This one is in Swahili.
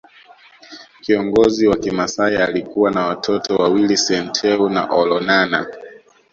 Kiongozi wa kimasai alikuwa na watoto wawili Senteu na Olonana